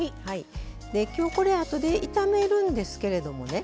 今日これあとで炒めるんですけれどもね